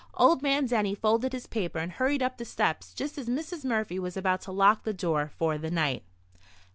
Old man Denny folded his paper and hurried up the steps just as Mrs. Murphy was about to lock the door for the night.